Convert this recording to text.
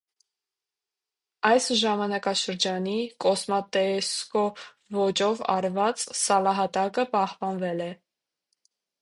Այս ժամանակաշրջանի «կոսմատեսկո» ոճով արված սալահատակը պահպանվել է։